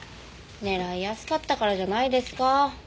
狙いやすかったからじゃないですか？